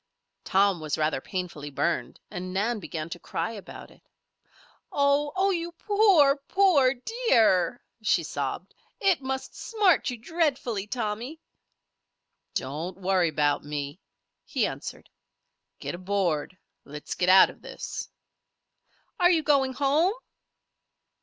Tom was rather painfully burned and Nan began to cry about it. "Oh! Oh! You poor, poor dear!" she sobbed. "It must smart you dreadfully, Tommy." "Don't worry about me," he answered. "Get aboard. Let's get out of this." "Are you going home?"